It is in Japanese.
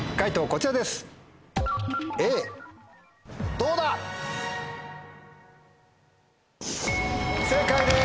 どうだ⁉正解です。